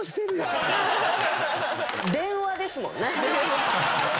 電話ですもんね。